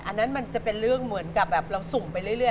อันนั้นมันจะเป็นเรื่องเหมือนกับแบบเราสุ่มไปเรื่อย